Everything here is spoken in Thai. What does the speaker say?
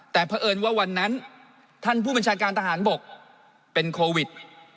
แต่เพราะเอิญว่าวันนั้นท่านผู้บัญชาการทหารบกเป็นโควิด